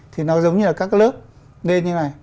thì nó giống như là các lớp lên như này